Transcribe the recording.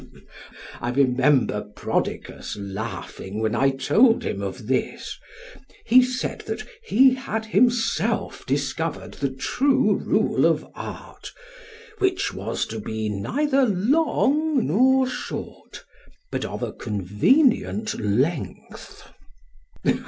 I remember Prodicus laughing when I told him of this; he said that he had himself discovered the true rule of art, which was to be neither long nor short, but of a convenient length.